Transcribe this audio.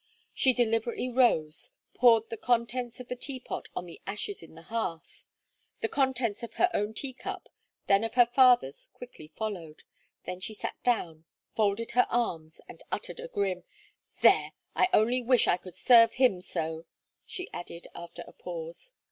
She deliberately rose, poured the contents of the teapot on the ashes in the hearth; the contents of her own teacup, then of her father's quickly followed; then she sat down, folded her arms, and uttered a grim: "There! I only wish I could serve him so," she added after a pause.